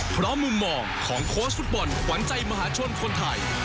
เพราะมุมมองของโค้ชฟุตบอลขวัญใจมหาชนคนไทย